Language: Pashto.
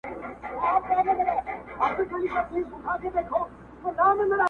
پېغلي څنگه د واده سندري وايي.!